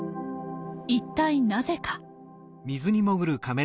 一体なぜか？